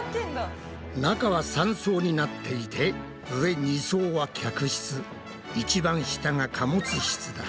中は３層になっていて上２層は客室いちばん下が貨物室だ。